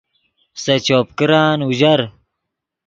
سے چوپ کرن اوژر